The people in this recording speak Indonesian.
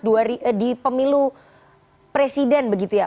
di pemilu presiden begitu ya